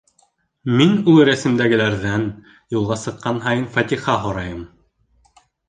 - Мин ул рәсемдәгеләрҙән юлға сыҡҡан һайын фатиха һорайым.